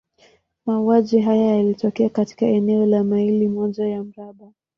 Mauaji haya yalitokea katika eneo la maili moja ya mraba.